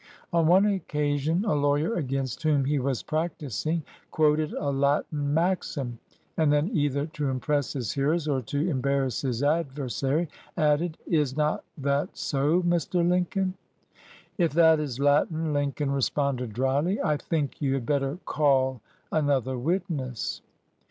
On one occasion a lawyer against whom he was practising quoted a Latin maxim, and then, either to impress his hearers or to em barrass his adversary, added, "Is not that so, Mr. Lincoln?" "If that is Latin," Lincoln responded dryly, "I think you had better call another witness."